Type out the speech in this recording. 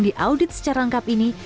diaudit secara lengkap ini